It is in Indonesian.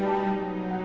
saya akan berjual